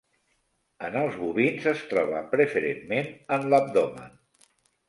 En els bovins es troba preferentment en l'abdomen.